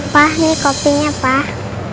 pak ini kopinya pak